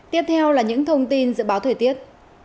tiếp theo là những thông tin dự báo thời tiết